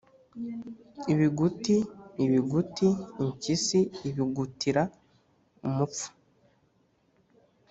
Ibuguti ibuguti-Impyisi ibugutira umupfu.